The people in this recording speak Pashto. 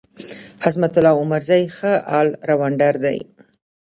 عظمت الله عمرزی ښه ال راونډر دی.